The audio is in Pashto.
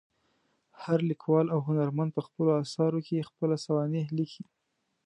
هر لیکوال او هنرمند په خپلو اثرو کې خپله سوانح لیکي.